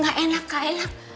gak enak kaelak